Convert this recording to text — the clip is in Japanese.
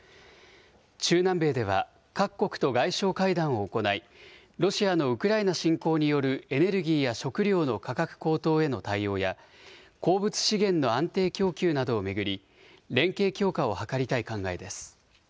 中南米では、各国と外相会談を行い、ロシアのウクライナ侵攻によるエネルギーや食料の価格高騰への対応や、鉱物資源の安定供給などを巡り、連携強化を図りたい考えです。